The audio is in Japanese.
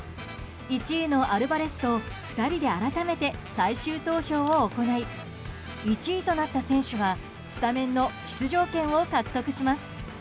１位のアルバレスと２人で改めて最終投票を行い１位となった選手がスタメンの出場権を獲得します。